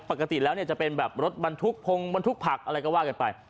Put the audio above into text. ปกติแล้วเนี่ยจะเป็นแบบรถบรรทุกพงบรรทุกผักอะไรก็ว่ากันไป